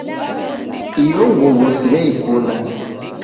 Iyo nguw'o siw'eikunda